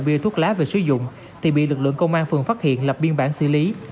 đưa thuốc lá về sử dụng thì bị lực lượng công an phường phát hiện lập biên bản xử lý